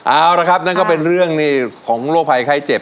เอาละครับนั่นก็เป็นเรื่องของโรคภัยไข้เจ็บ